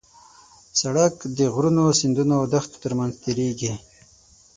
سړک د غرونو، سیندونو او دښتو ترمنځ تېرېږي.